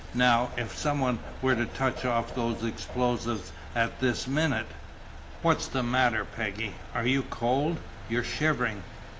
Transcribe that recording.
Now, if some one were to touch off those explosives at this minute What's the matter, Peggy? Are you cold? You're shivering!"